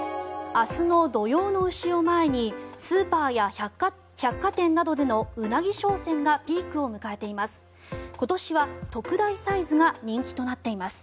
明日の土用の丑を前にスーパーや百貨店などでのウナギ商戦がピークを迎えています。